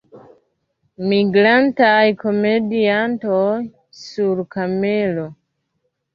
Migrantaj komediantoj sur kamelo.